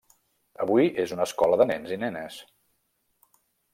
Avui és una escola de nens i nenes.